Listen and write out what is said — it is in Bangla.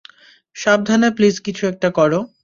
সাবধানে প্লিজ কিছু একটা করো!